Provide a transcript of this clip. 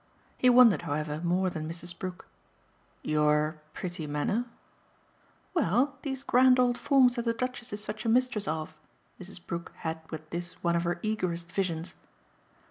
He wondered, however, more than Mrs. Brook. "Your 'pretty manner'?" "Well, these grand old forms that the Duchess is such a mistress of." Mrs. Brook had with this one of her eagerest visions.